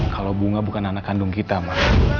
kalau bunga bukan anak kandung kita mas